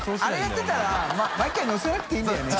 やってたら毎回乗せなくていいんだよね。